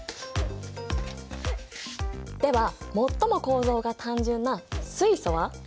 では最も構造が単純な水素は？